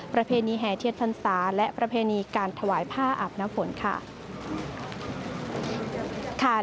ประเพณีแห่เทียนพรรษาและประเพณีการถวายผ้าอาบน้ำฝนค่ะ